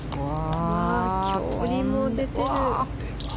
距離も出てる。